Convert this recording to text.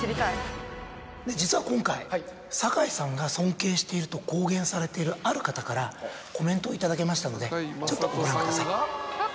実は今回堺さんが「尊敬している」と公言されているある方からコメントを頂けましたのでちょっとご覧ください。